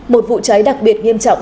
một vụ cháy đặc biệt nghiêm trọng